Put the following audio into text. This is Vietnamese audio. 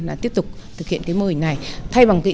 là tiếp tục thực hiện mô hình này